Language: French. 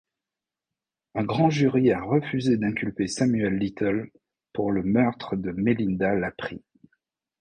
Un grand jury a refusé d'inculper Samuel Little pour le meurtre de Melinda LaPree.